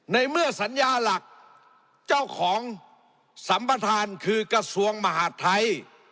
ในเมื่อสัญญาหลักเจ้าของสัมประธานคือกระทรวงมหาดไทย